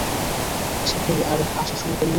হেই, আর আসার সময় পেলি না?